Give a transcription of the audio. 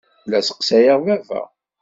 La sseqsayeɣ baba.